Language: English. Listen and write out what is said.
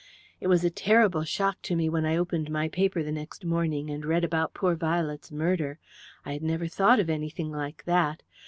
"It was a terrible shock to me when I opened my paper the next morning and read about poor Violet's murder. I had never thought of anything like that.